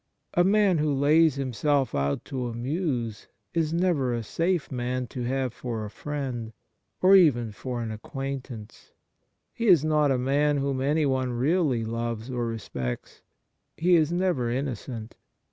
A man who lays himself out to amuse is never a safe man to have for a friend, or even for an ac(iuain tance. He is not a man whom anyone really loves or respects. He is never innocent.